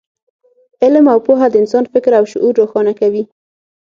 علم او پوهه د انسان فکر او شعور روښانه کوي.